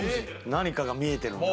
何かが見えてるんだ。